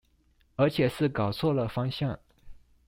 而且是搞錯了方向